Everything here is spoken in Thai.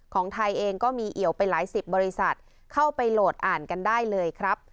ของไทยเองก็มีเอี่ยวไปหลายสิบบริษัทเข้าไปโหลดอ่านกันได้เลยครับ